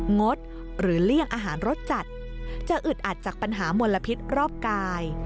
งดหรือเลี่ยงอาหารรสจัดจะอึดอัดจากปัญหามลพิษรอบกาย